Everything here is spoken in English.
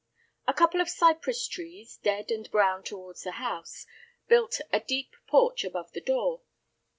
A couple of cypress trees, dead and brown towards the house, built a deep porch above the door.